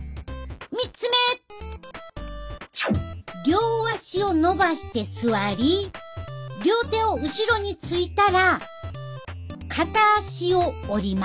両足をのばして座り両手を後ろについたら片足を折り曲げる。